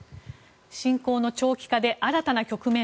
侵攻の長期化で新たな局面